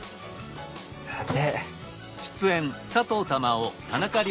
さて。